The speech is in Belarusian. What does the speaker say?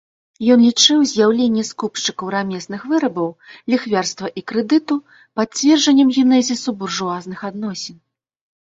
Ён лічыў з'яўленне скупшчыкаў рамесных вырабаў, ліхвярства і крэдыту пацвярджэннем генезісу буржуазных адносін.